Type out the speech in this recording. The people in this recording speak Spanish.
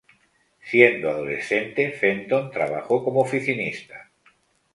Siendo adolescente, Fenton trabajó como oficinista.